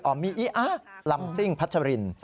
มิอีอะลำซิ่งพัชริน